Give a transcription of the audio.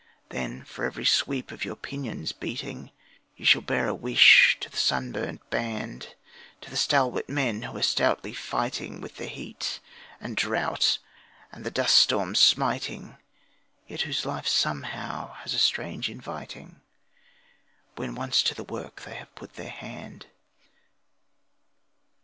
Then for every sweep of your pinions beating, Ye shall bear a wish to the sunburnt band, To the stalwart men who are stoutly fighting With the heat and drought and the dust storm smiting, Yet whose life somehow has a strange inviting, When once to the work they have put their hand.